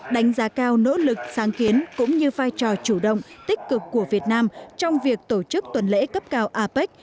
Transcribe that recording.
đánh giá cao nỗ lực sáng kiến cũng như vai trò chủ động tích cực của việt nam trong việc tổ chức tuần lễ cấp cao apec